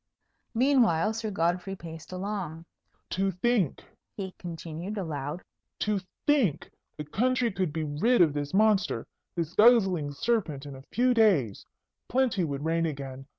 Meanwhile, Sir Godfrey paced along. "To think," he continued, aloud, "to think the country could be rid of this monster, this guzzling serpent, in a few days! Plenty would reign again.